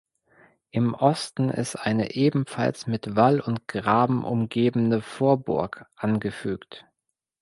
Im Osten ist eine ebenfalls mit Wall und Graben umgebene Vorburg angefügt.